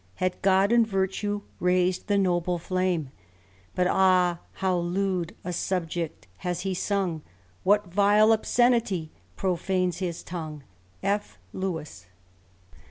Had God and virtue rais'd the noble flame ; But ah 1 how lewd a subject has he sung 1 What vile obscenity profanes his tongue 1 " F. Lewis.